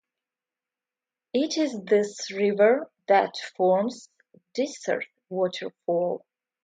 It is this river that forms Dyserth Waterfall.